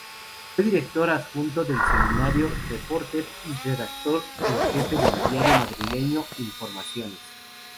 Fue director adjunto del semanario "Reporter" y redactor en jefe del diario madrileño "Informaciones".